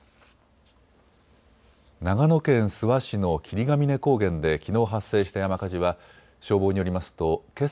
長野県諏訪市の霧ヶ峰高原できのう発生した山火事は消防によりますとけさ